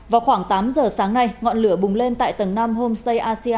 vào khoảng tám giờ sáng nay ngọn lửa bùng lên tại tầng năm homestay asean